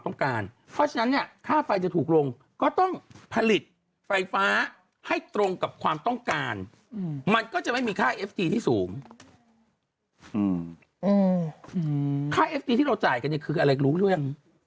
ธุรกิจทุกอย่างโดนหมดเลย